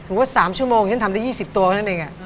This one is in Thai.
หมายความว่า๓ชั่วโมงฉันทำได้๒๐ตัวนั่นเอง